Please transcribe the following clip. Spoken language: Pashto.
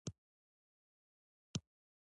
هو د شیدو محصولات په زیاته اندازه کلسیم لري